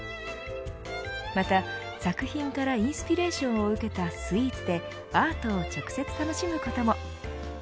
また、作品からインスピレーションを受けたスイーツで、アートを直接楽しむことも。